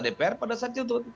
dpr pada saat itu